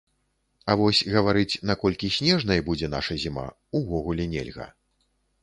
А вось гаварыць, наколькі снежнай будзе наша зіма, увогуле нельга.